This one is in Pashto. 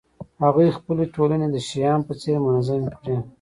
هغوی خپلې ټولنې د شیام په څېر منظمې کړې